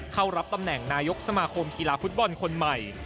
เข้ารับตำแหน่งนายกสมาคมกีฬาฟุตบอลคนใหม่